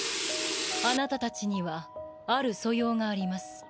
あなたたちにはある素養があります。